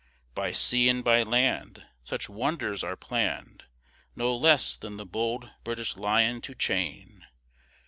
By sea and by land Such wonders are planned No less than the bold British lion to chain!